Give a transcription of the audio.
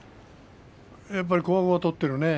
やっぱりこわごわ取っているね